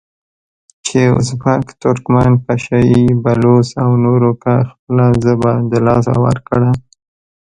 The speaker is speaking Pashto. چې ازبک، ترکمن، پشه یي، بلوڅ او نورو که خپله ژبه د لاسه ورکړه،